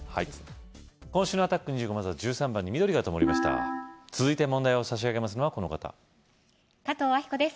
今週のアタック２５まずは１３番に続いて問題を差し上げますのはこの方加藤明子です